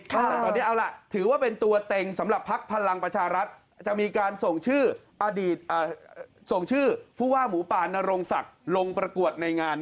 ค่ะตอนนี้เอาล่ะถือว่าเป็นตัวเต็งสำหรับพักพลังประชารัฐ